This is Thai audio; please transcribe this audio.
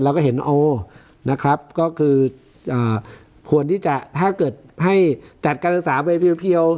เราก็เห็นโอ้นะครับก็คือควรที่จะถ้าเกิดให้จัดการศึกษาไปเพียว